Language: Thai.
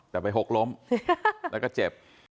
แต่ไปหกล้มแล้วก็เจ็บ